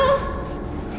udah ketemu si ceret ya